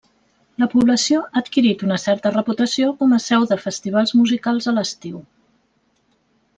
La població ha adquirit una certa reputació com a seu de festivals musicals a l'estiu.